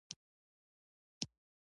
دماغ برېښنايي سیګنال لېږي.